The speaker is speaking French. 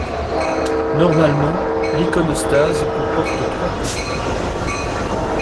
Normalement, l'iconostase comporte trois portes.